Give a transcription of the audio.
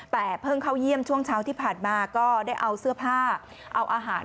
แต่เพิ่งเข้าเยี่ยมช่วงเช้าที่ผ่านมาก็ได้เอาเสื้อผ้าเอาอาหาร